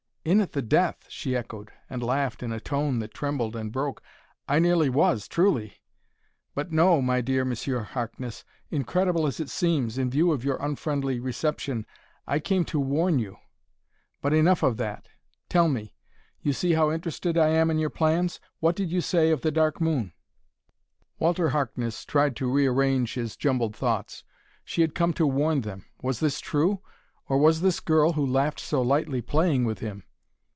"In at the death!" she echoed, and laughed in a tone that trembled and broke. "I nearly was, truly. But, no, my dear Monsieur Harkness: incredible as it seems, in view of your unfriendly reception, I came to warn you!... But, enough of that. Tell me you see how interested I am in your plans? what did you say of the Dark Moon?" Walter Harkness tried to rearrange his jumbled thoughts. She had come to warn them. Was this true? Or was this girl, who laughed so lightly, playing with him?